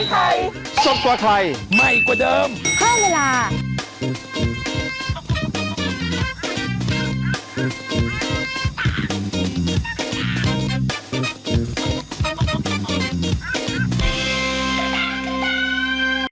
โปรดติดตามตอนต่อไป